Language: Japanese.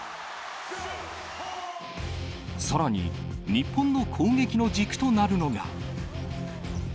さらに日本の攻撃の軸となるのが。